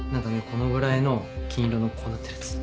このぐらいの金色のこうなってるやつ。